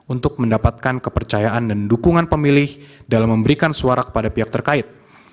untuk mendapatkan kepercayaan dan dukungan pemilih dalam memberikan suara kepada pihak terkait